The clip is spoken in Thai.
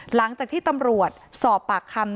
หลังจากที่ตำรวจสอบปากคำ